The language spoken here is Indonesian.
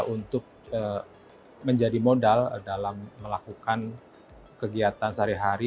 untuk menjadi modal dalam melakukan kegiatan sehari hari